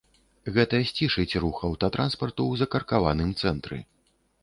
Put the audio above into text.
Гэта сцішыць рух аўтатранспарту ў закаркаваным цэнтры.